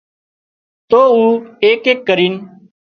تو او ايڪ ايڪ ڪرينَ